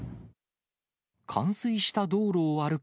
冠水した道路を歩く